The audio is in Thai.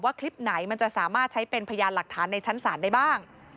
คลิปไหนมันจะสามารถใช้เป็นพยานหลักฐานในชั้นศาลได้บ้าง